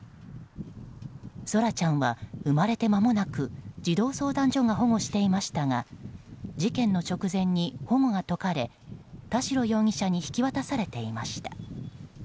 空来ちゃんは生まれてまもなく児童相談所保護していましたが事件の直前に保護が解かれ田代容疑者に引き渡されていました。